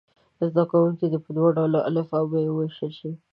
زده کوونکي دې په دوه ډلو الف او ب وویشل شي.